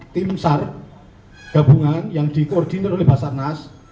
tim sargabungan yang dikoordinir oleh basarnas